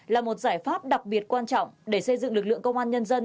là một giải pháp đặc biệt quan trọng để xây dựng lực lượng công an nhân dân